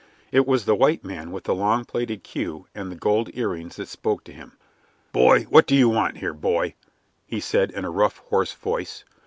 It was the white man with the long, plaited queue and the gold earrings that spoke to him. "Boy, what do you want here, boy?" he said, in a rough, hoarse voice.